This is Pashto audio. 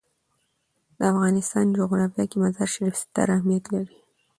د افغانستان جغرافیه کې مزارشریف ستر اهمیت لري.